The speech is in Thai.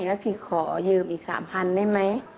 แล้วพี่ขอยืมอีก๓๐๐ได้ไหม